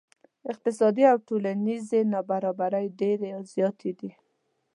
اقتصادي او ټولنیزې نا برابرۍ ډیرې زیاتې دي.